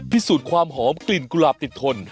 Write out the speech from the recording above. พิสูจน์ความหอมกลิ่นกุหลาบติดทน